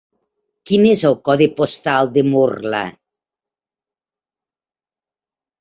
Quin és el codi postal de Murla?